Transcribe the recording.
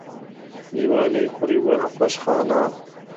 ھیوا لێی خوڕی بۆ نەخۆشخانە.